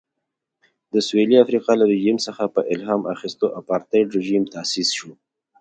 د سوېلي افریقا له رژیم څخه په الهام اخیستو اپارټایډ رژیم تاسیس شو.